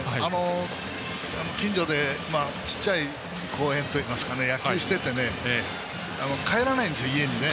近所でちっちゃい公園でといいますか野球をしててね帰らないんですよ、家にね。